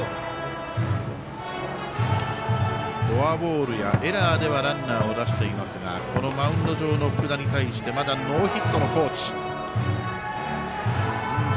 フォアボールやエラーではランナーを出していますがこのマウンド上の福田に対してまだノーヒットの高知。